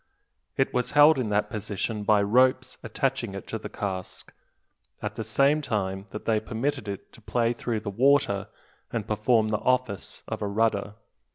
It was held in that position by ropes attaching it to the cask, at the same time that they permitted it to play through the water, and perform the office of a rudder.